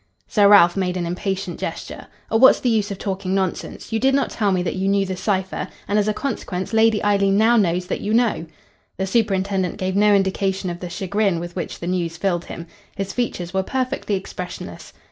Sir Ralph made an impatient gesture. "Oh, what's the use of talking nonsense? You did not tell me that you knew the cipher, and as a consequence Lady Eileen now knows that you know." The superintendent gave no indication of the chagrin with which the news filled him. His features were perfectly expressionless.